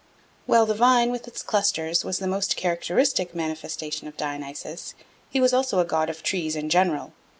While the vine with its clusters was the most characteristic manifestation of Dionysus, he was also a god of trees in general.